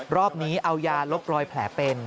รอบนี้เอายาลบรอยแผลเป็น